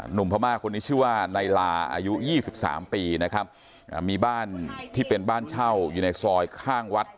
พม่าคนนี้ชื่อว่านายลาอายุ๒๓ปีนะครับมีบ้านที่เป็นบ้านเช่าอยู่ในซอยข้างวัด